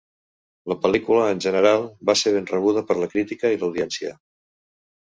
La pel·lícula en general va ser ben rebuda per la crítica i l'audiència.